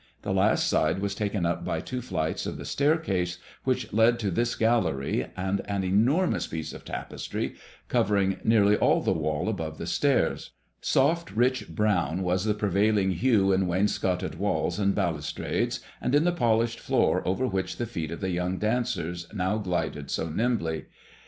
The last side was taken up by two flights of the staircase which led to this gallery, and an enormous piece of tapestry, covering nearly all the wall above the stairs. Soft rich brown was the prevailing hue in wainscoted walls and balustrades, and in the polished floor over which the feet of the young dancers now glided so nimbly.